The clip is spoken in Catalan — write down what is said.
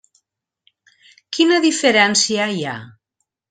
Quina diferència hi ha?